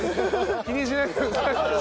気にしないでください。